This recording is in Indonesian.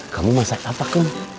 kamu masak apa kum